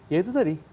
ya itu tadi